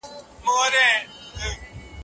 تاریخي کالونه کله ناکله په کتابونو کي توپیر لري.